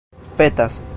petas